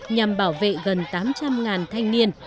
nhằm bảo vệ gần tám trăm linh thanh niên